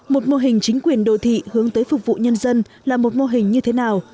một mô hình chính quyền đô thị hướng tới phục vụ nhân dân là một mô hình như thế nào